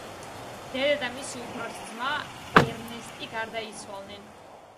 დედა და მისი უფროსი ძმა ერნესტი გარდაიცვალნენ.